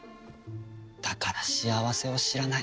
だから幸せを知らない。